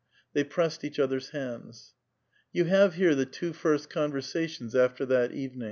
They pressed each other's hands. You have here the two first conversations after that evennii'.